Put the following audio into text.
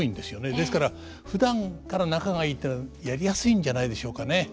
ですからふだんから仲がいいっていうのはやりやすいんじゃないでしょうかね。